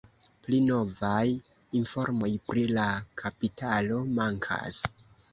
Pli novaj informoj pri la kapitalo mankas.